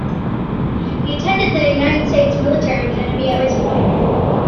He attended the United States Military Academy at West Point.